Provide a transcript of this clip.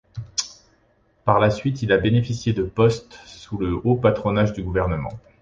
Par la suite, il a bénéficié de postes sous le haut patronage du gouvernement.